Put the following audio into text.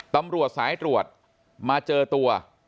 ตำรวจสายตรวจมาเจอตัว